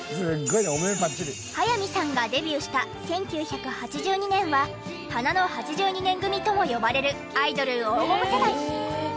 早見さんがデビューした１９８２年は花の８２年組とも呼ばれるアイドル黄金世代。